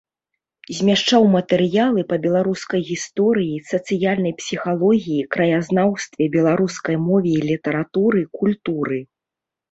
Змяшчаў матэрыялы па беларускай гісторыі, сацыяльнай псіхалогіі, краязнаўстве, беларускай мове і літаратуры, культуры.